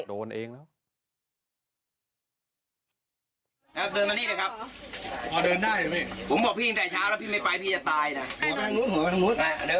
โดนเองแล้ว